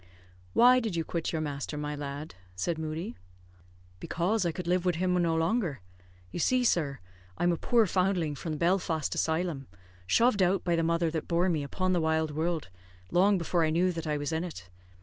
"Why did you quit your master, my lad?" said Moodie. "Because I could live wid him no longer. You see, sir, I'm a poor foundling from the Belfast Asylum, shoved out by the mother that bore me, upon the wide wurld, long before I knew that I was in it.